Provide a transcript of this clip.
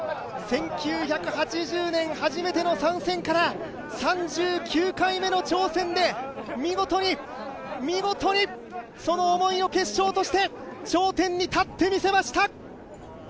１９８０年初めての参戦から３９回目の挑戦で見事に、見事にその思いを結晶として頂点に立って見せました。